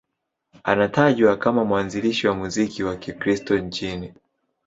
Anatajwa kama mwanzilishi wa muziki wa Kikristo nchini.